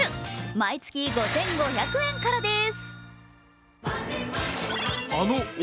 毎月５５００円からです。